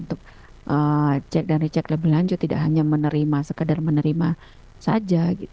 untuk cek dan recek lebih lanjut tidak hanya menerima sekedar menerima saja